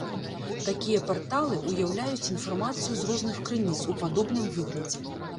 Такія парталы ўяўляюць інфармацыю з розных крыніц у падобным выглядзе.